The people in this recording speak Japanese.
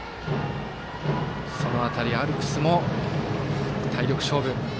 その辺り、アルプスも体力勝負。